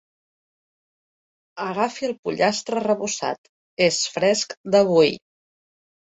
Agafi el pollastre arrebossat, és fresc d'avui.